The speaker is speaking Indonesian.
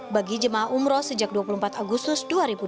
bagi jemaah umroh sejak dua puluh empat agustus dua ribu dua puluh